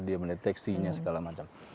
dia mendeteksinya segala macam